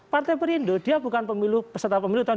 partai perindo dia bukan peserta pemilu tahun dua ribu sembilan